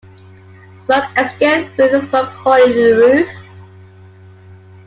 Smoke escaped through a smoke hole in the roof.